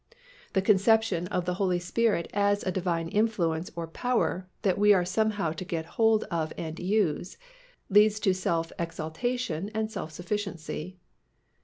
The conception of the Holy Spirit as a Divine influence or power that we are somehow to get hold of and use, leads to self exaltation and self sufficiency.